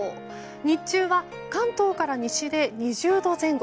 日中は関東から西で２０度前後。